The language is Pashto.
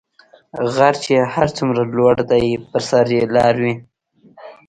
غر چی هر څومره لوړ دي په سر یي لار وي .